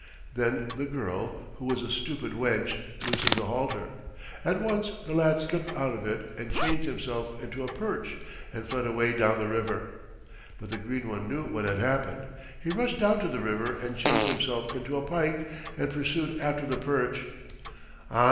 Then the girl, who was a stupid wench, loosened the halter. At once the lad slipped out of it and changed himself into a perch and fled away down the river. But the Green One knew what had happened. He rushed down to the river and changed himself into a pike and pursued after the perch.